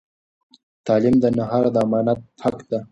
تعلیم د نهار د امانت حق دی.